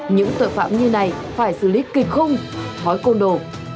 những tội phạm như này phải xử lý kịch không hỏi côn đồ